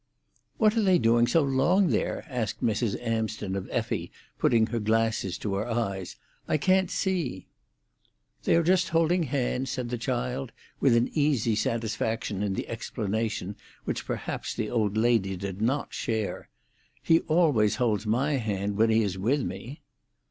"What are they doing so long there?" asked Mrs. Amsden of Effie, putting her glasses to her eyes. "I can't see." "They are just holding hands," said the child, with an easy satisfaction in the explanation, which perhaps the old lady did not share. "He always holds my hand when he is with me."